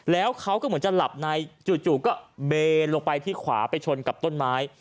แล้วเขาก็เหมือนจะหลับในจู่ก็เบนลงไปที่ขวาไปชนกับต้นไม้